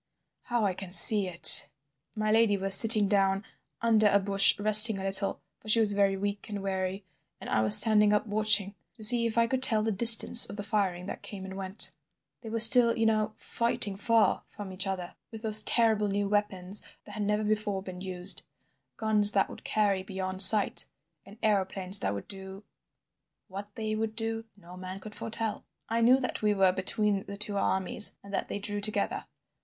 How I can see it! My lady was sitting down under a bush resting a little, for she was very weak and weary, and I was standing up watching to see if I could tell the distance of the firing that came and went. They were still, you know, fighting far from each other, with those terrible new weapons that had never before been used: guns that would carry beyond sight, and aeroplanes that would do—What they would do no man could foretell. "I knew that we were between the two armies, and that they drew together.